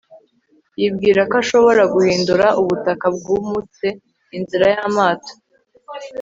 yibwira ko ashobora guhindura ubutaka bwumutse inzira y'amato